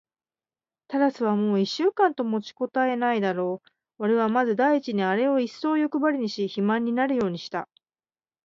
タラスはもう一週間と持ちこたえないだろう。おれはまず第一にあれをいっそうよくばりにし、肥満になるようにした。